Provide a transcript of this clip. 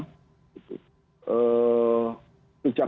sejak awal kita langsung mengatakan